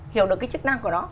hiểu được cái chức năng của nó